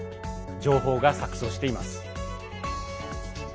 情報が錯そうしています。